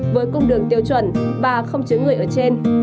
với cung đường tiêu chuẩn và không chứa người ở trên